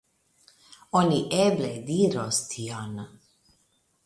Oni eble diros tion.